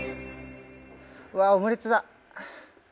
うわオムレツだ。